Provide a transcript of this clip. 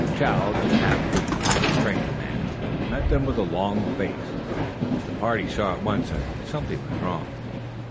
Chow, the half breed pack train man, met them with a long face. The party saw at once that something was wrong.